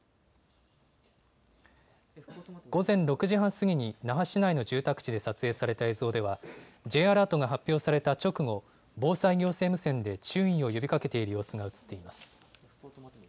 午前６時半過ぎに、那覇市内の住宅地で撮影された映像では、Ｊアラートが発表された直後、防災行政無線で注意を呼びかけている様子が映っています。